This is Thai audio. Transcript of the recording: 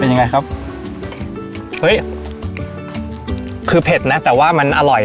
เป็นยังไงครับเฮ้ยคือเผ็ดนะแต่ว่ามันอร่อย